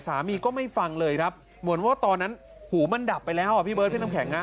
สามีก็ไม่ฟังเลยครับเหมือนว่าตอนนั้นหูมันดับไปแล้วอ่ะพี่เบิร์ดพี่น้ำแข็ง